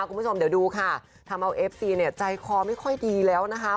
คุณผู้ชมเดี๋ยวดูค่ะทำเอาเอฟซีเนี่ยใจคอไม่ค่อยดีแล้วนะคะ